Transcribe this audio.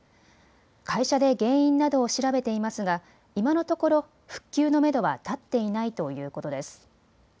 会社で原因などを調べていますが今のところ復旧のめどは立っていないということです。